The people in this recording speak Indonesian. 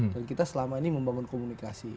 dan kita selama ini membangun komunikasi